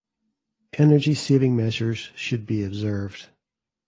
Energy saving measures should be observed.